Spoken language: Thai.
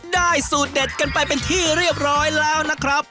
สูตรเด็ดกันไปเป็นที่เรียบร้อยแล้วนะครับ